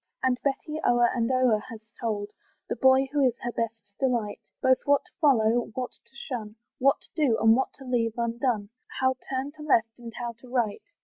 And Betty o'er and o'er has told The boy who is her best delight, Both what to follow, what to shun, What do, and what to leave undone, How turn to left, and how to right.